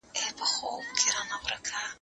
ما پرون د سبا لپاره د ژبي تمرين وکړ!